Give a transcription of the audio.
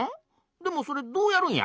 でもそれどうやるんや？